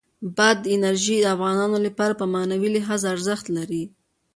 بادي انرژي د افغانانو لپاره په معنوي لحاظ ارزښت لري.